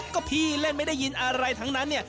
ก็พี่เล่นไม่ได้ยินอะไรทั้งนั้นเนี่ย